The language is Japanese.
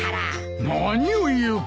何を言うか！